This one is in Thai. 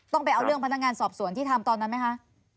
ต้องไปเอาเรื่องพนักงานสอบสวนที่ทำตอนนั้นไหมคะ